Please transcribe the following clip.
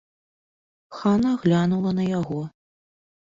Хана глянула на яго.